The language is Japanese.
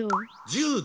柔道？